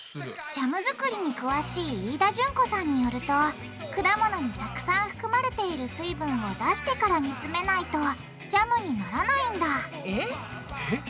ジャム作りに詳しい飯田順子さんによると果物にたくさん含まれている水分を出してから煮詰めないとジャムにならないんだえっ？